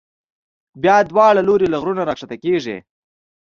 بیا دواړه لوري له غرونو را کښته کېږي.